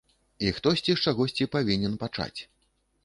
І хтосьці з чагосьці павінен пачаць.